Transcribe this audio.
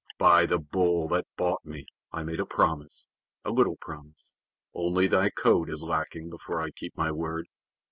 By the Bull that bought me I made a promise a little promise. Only thy coat is lacking before I keep my word.